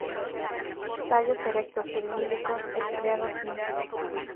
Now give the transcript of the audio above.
Tallos erectos, cilíndricos, estriados, simples.